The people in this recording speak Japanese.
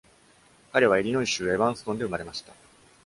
彼は、イリノイ州エバンストンで生まれました。